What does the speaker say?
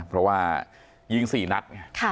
เพราะว่ายิง๔นัดไง